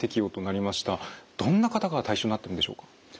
どんな方が対象になってるんでしょうか？